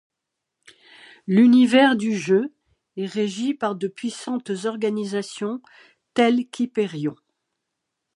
L'univers du jeu est régi par de puissantes organisations telles qu'Hypérion.